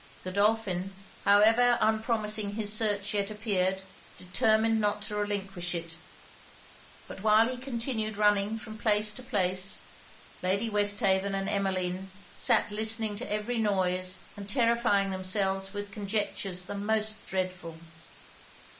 Godolphin, however unpromising his search yet appeared, determined not to relinquish it. But while he continued running from place to place, Lady Westhaven and Emmeline sat listening to every noise and terrifying themselves with conjectures the most dreadful.